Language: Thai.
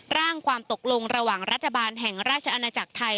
ร่างความตกลงระหว่างรัฐบาลแห่งราชอาณาจักรไทย